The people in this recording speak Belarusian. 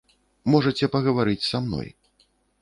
Можаце пагаварыць са мной.